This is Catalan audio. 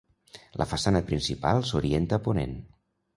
La façana principal s'orienta a ponent.